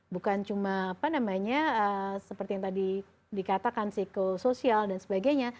bukan cuma apa namanya seperti yang tadi dikatakan sih ke sosial dan sebagainya